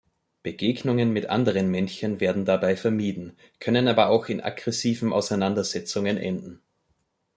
Begegnungen mit anderen Männchen werden dabei vermieden, können aber auch in aggressiven Auseinandersetzungen enden.